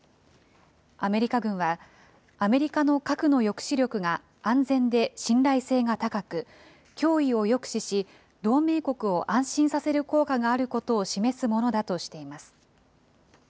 アメリカ軍は、アメリカの核の抑止力が安全で信頼性が高く、脅威を抑止し、同盟国を安心させる効果があることを示すものだとしています。